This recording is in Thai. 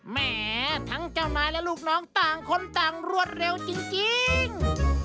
แหมทั้งเจ้านายและลูกน้องต่างคนต่างรวดเร็วจริง